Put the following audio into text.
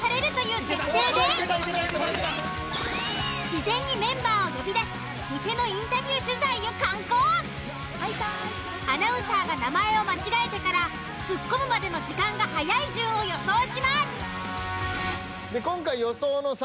事前にメンバーを呼び出しアナウンサーが名前を間違えてからツッコむまでの時間が速い順を予想します。